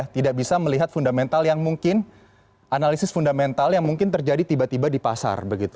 tidak bisa melihat fundamental yang mungkin analisis fundamental yang mungkin terjadi tiba tiba di pasar